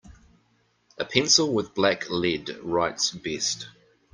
A pencil with black lead writes best.